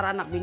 damn ya abang